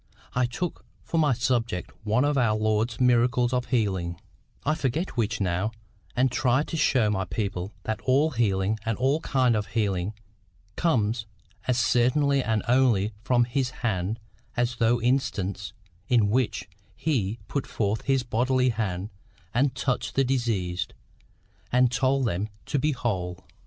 I took for my subject one of our Lord's miracles of healing, I forget which now, and tried to show my people that all healing and all kinds of healing come as certainly and only from His hand as those instances in which He put forth His bodily hand and touched the diseased, and told them to be whole.